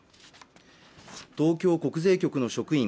東京国税局の職員